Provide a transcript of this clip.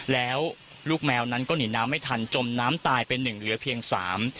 แล้วลูกแมวนั้นก็หนีน้ำไม่ทันจมน้ำตายไปหนึ่งเหลือเพียงสาม